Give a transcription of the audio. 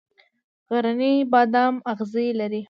غرنی بادام اغزي لري؟